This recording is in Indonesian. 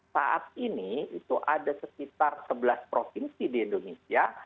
saat ini itu ada sekitar sebelas provinsi di indonesia